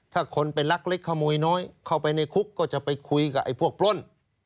ถ้าคนเป็นรักเล็กขโมยน้อยเข้าไปในคุกก็จะไปคุยกับไอ้พวกปล้น